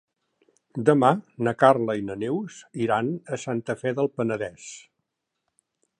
Demà na Carla i na Neus iran a Santa Fe del Penedès.